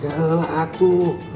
ya allah atuh